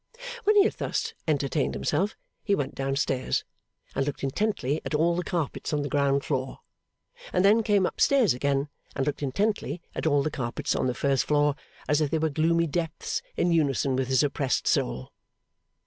When he had thus entertained himself he went down stairs, and looked intently at all the carpets on the ground floor; and then came up stairs again, and looked intently at all the carpets on the first floor; as if they were gloomy depths, in unison with his oppressed soul.